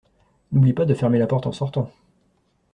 N’oublie pas de fermer la porte en sortant.